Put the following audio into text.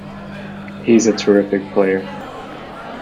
He's a terrific player.